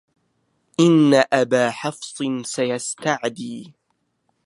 إن أبا حفص سيستعدي